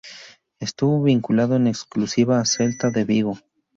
Estuvo vinculado en exclusiva al Celta de Vigo.